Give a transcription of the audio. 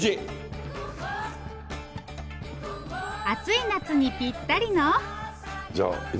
暑い夏にぴったりの。